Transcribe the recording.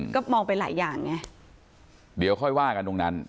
ก็มองไปหลายอย่างไงเดี๋ยวค่อยว่ากันตรงนั้น